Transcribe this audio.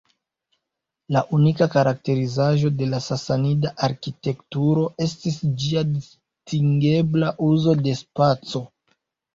La unika karakterizaĵo de Sasanida arkitekturo, estis ĝia distingebla uzo de spaco.